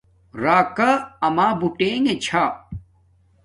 راکا امے بوٹنݣ چھا